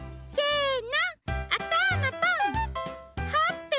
せの！